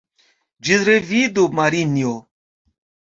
Ĝis revido, Marinjo.